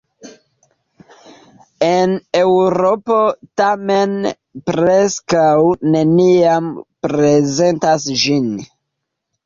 En Eŭropo tamen preskaŭ neniam prezentas ĝin.